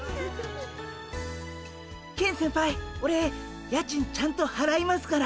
ケン先輩オレ家賃ちゃんとはらいますから。